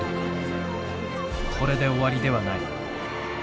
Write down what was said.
これで終わりではない。